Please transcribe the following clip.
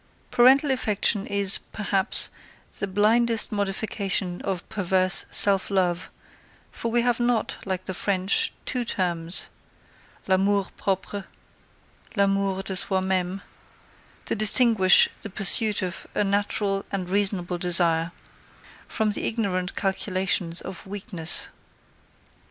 Parental affection is, perhaps, the blindest modification of perverse self love; for we have not, like the French two terms (L'amour propre, L'amour de soi meme) to distinguish the pursuit of a natural and reasonable desire, from the ignorant calculations of weakness.